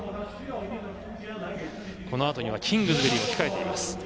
このあとにはキングズベリーが控えています。